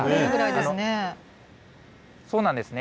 そうなんですね。